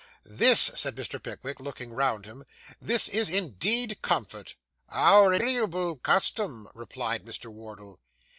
'This,' said Mr. Pickwick, looking round him, 'this is, indeed, comfort.' 'Our invariable custom,' replied Mr. Wardle.